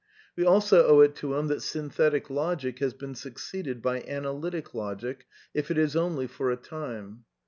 We also owe it to him that Synthetic Logic has been suc ceeded by Analytic Logic, if it is only for a time.